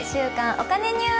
お金ニュース」。